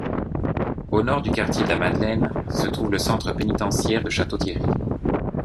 Au nord du quartier de la Madeleine, se trouve le centre pénitentiaire de Château-Thierry.